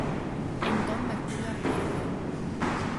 Entón Mercurio arrefeceu.